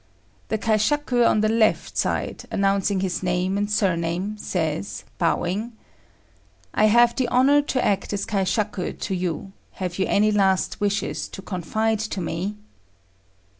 The kaishaku on the left side, announcing his name and surname, says, bowing, "I have the honour to act as kaishaku to you; have you any last wishes to confide to me?"